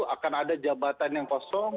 akan ada jabatan yang kosong